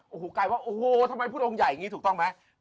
โอ้โหกลายว่าโอ้โหทำไมพุทธองค์ใหญ่อย่างนี้ถูกต้องไหม